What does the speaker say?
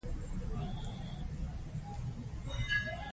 د صلاحیت انحراف قانوني ستونزه رامنځته کوي.